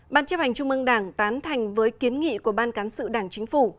ban chấp hành trung mương đảng tán thành với kiến nghị của ban cán sự đảng chính phủ